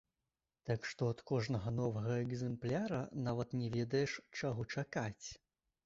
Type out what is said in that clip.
Так што ад кожнага новага экзэмпляра нават не ведаеш, чаго чакаць.